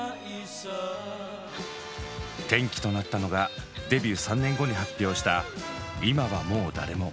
転機となったのがデビュー３年後に発表した「今はもうだれも」。